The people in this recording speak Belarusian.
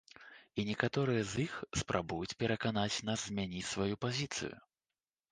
І некаторыя з іх спрабуюць пераканаць нас змяніць сваю пазіцыю.